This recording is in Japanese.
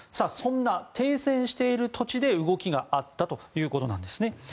そんな停戦している土地で動きがあったということなんですね。